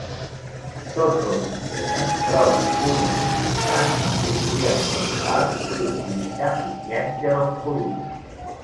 Tots dos instruments troben un ús important en biologia molecular, bioquímica i ciència dels polímers.